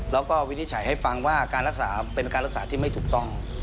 แล้วก็วินิจฉัยให้ฟังว่าการรักษาเป็นการรักษาที่ไม่ถูกต้อง